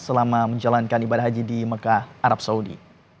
selama menjalankan ibadah haji di mekah arab saudi